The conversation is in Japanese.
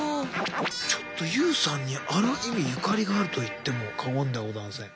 ちょっとＹＯＵさんにある意味ゆかりがあると言っても過言ではございません。